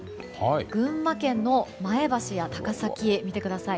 群馬県の前橋や高崎を見てください。